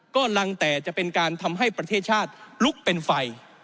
ก็ลังแต่จะเป็นการทำให้ประเทศชาติลุกเป็นไฟ